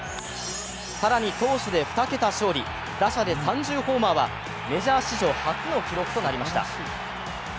更に投手で２桁勝利、打者で３０ホーマーはメジャー史上初の記録となりました。